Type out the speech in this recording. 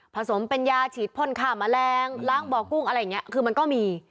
สมเป็นยาฉีดพ่นฆ่าแมลงล้างบ่อกุ้งอะไรอย่างนี้คือมันก็มี